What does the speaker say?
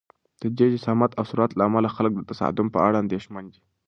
د دې جسامت او سرعت له امله خلک د تصادم په اړه اندېښمن دي.